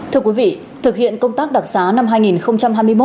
thưa quý vị thực hiện công tác đặc xá năm hai nghìn hai mươi một